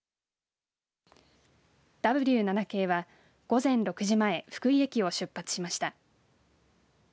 Ｗ７系は午前６時前福井駅を出発しました。